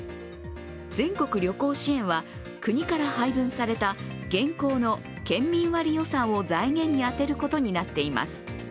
全国旅行支援は国から配分された現行の県民割予算を財源に充てることになっています。